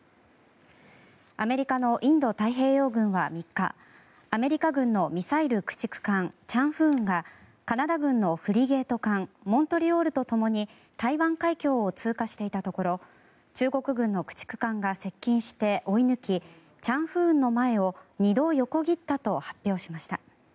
アメリカのインド太平洋軍は３日アメリカ軍のミサイル駆逐艦「チャンフーン」がカナダ軍のフリゲート艦「モントリオール」とともに台湾海峡を通過していたところ中国軍の駆逐艦が接近して追い抜き「チャンフーン」の前を２度横切ったと発表しました。